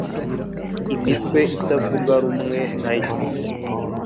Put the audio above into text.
imitwe itavuga rumwe nayo